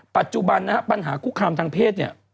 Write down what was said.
ปัจจุบันปัญหาคุคคลามทางเพศ